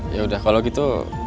yaudah kalau gitu